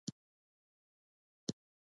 باران د بخار د یخېدو نتیجه ده.